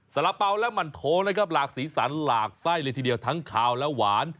ละเป๋าและหมั่นโทนะครับหลากสีสันหลากไส้เลยทีเดียวทั้งขาวและหวาน